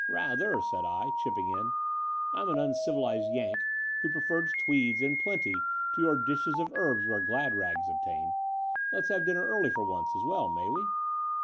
"Rather," said I, chipping in. "I'm an un civilized Yank who prefers tweeds and plenty to your dishes of herbs where glad rags obtain. Let's have dinner early for once as well, may we?"